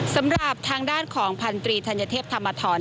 สำหรับทางด้านของพันธรีธัญเทพธรรมธร